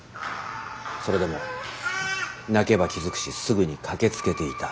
それでも泣けば気付くしすぐに駆けつけていた。